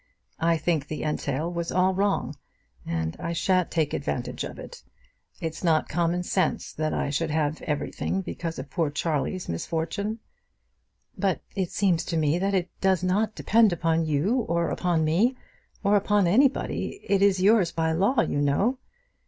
I think the entail was all wrong, and I shan't take advantage of it. It's not common sense that I should have everything because of poor Charley's misfortune." "But it seems to me that it does not depend upon you or upon me, or upon anybody. It is yours, by law, you know."